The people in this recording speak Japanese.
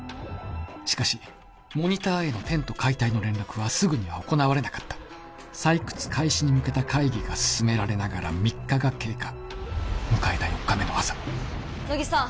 しかしモニターへのテント解体の連絡はすぐには行われなかった採掘開始に向けた会議が進められながら３日が経過迎えた４日目の朝乃木さん